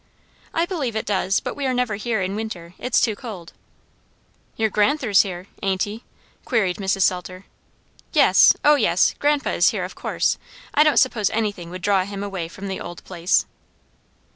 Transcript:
"I believe it does; but we are never here in winter. It's too cold." "Your gran'ther's here, ain't he?" queried Mrs. Salter. "Yes, O yes; grandpa is here, of course. I don't suppose anything would draw him away from the old place."